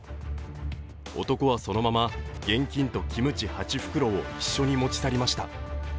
男はそのまま現金とキムチ８袋を一緒に持ち去りました。